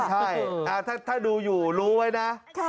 ใช่ถ้าดูอยู่รู้ไว้นะ